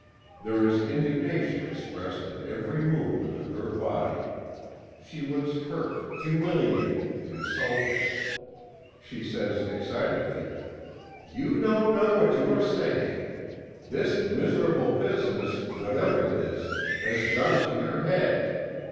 There is indignation expressed in every movement of her body. She looks hurt, humiliated, insulted. She says excitedly: "You don't know what you are saying. This miserable business whatever it is has gone to your head.